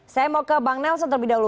saya mau ke bang nelson terlebih dahulu